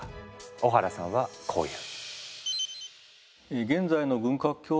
小原さんはこう言う。